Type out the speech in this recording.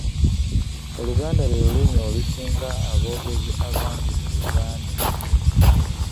Oluganda lwe lulimi olusinga aboogezi abangi mu Uganda.